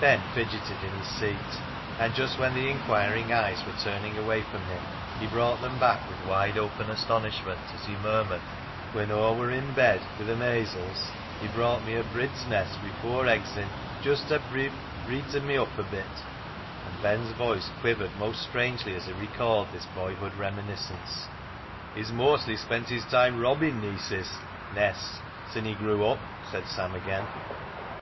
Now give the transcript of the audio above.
Ben fidgeted in his seat; and just when the inquiring eyes were turning away from him, he brought them back with wide open astonish ment as he murmured —" When Aw wor i' bed wi' th' maysles, he brought me a brid's neest wi' four eggs in — just ta bree breeten me up a bit," and Ben's voice quivered most strangely as he recalled this boyhood reminiscence. " He's moastly spent his time robbin' neeses (nests) sin' he grew up," said Sam again.